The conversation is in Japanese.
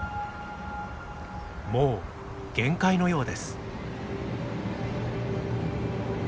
もう限界のようです。